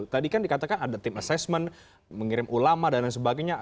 tadi kan dikatakan ada tim assessment mengirim ulama dan lain sebagainya